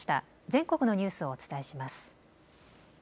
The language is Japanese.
全国のニュースをお伝えします。